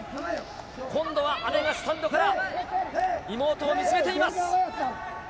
今度は姉がスタンドから妹を見つめています。